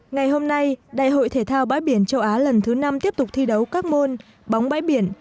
ngày hôm nay đại hội thể thao bãi biển châu á lần thứ năm tiếp tục thi đấu các môn bóng bãi biển